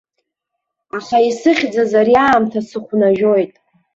Аха исыхьӡаз ари аамҭа сыхәнажәоит.